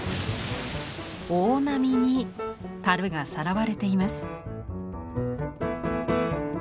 大波に樽がさらわれています。